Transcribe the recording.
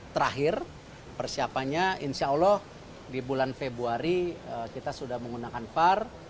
terakhir persiapannya insya allah di bulan februari kita sudah menggunakan var